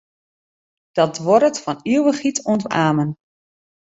Dat duorret fan ivichheid oant amen.